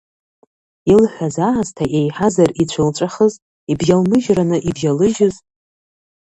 Илҳәаз аасҭа еиҳазар ицәылҵәахыз, ибжьалмыжьраны ибжьалыжьыз?